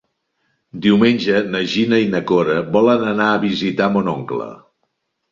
Diumenge na Gina i na Cora volen anar a visitar mon oncle.